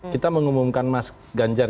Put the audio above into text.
kita mengumumkan mas ganjar